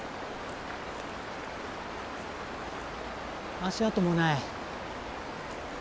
足跡もない。